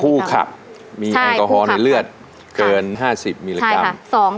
ผู้ขับมีแอลกอฮอล์ในเลือดเกิน๕๐มิลลิกรัม